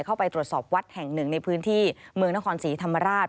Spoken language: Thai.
เข้าไปตรวจสอบวัดแห่งหนึ่งในพื้นที่เมืองนครศรีธรรมราช